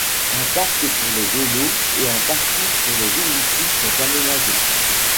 Un parc pour les vélos et un parking pour les véhicules sont aménagés.